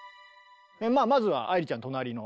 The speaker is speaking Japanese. まずは愛理ちゃん隣の。